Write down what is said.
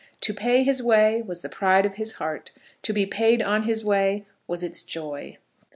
To pay his way was the pride of his heart; to be paid on his way was its joy.